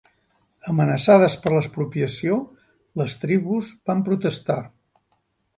Amenaçades per l'expropiació, les tribus van protestar.